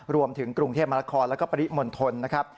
รวมถึงกรุงเทพมนครแล้วก็ปริมณฑลนะครับ